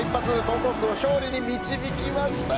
母国を勝利に導きました。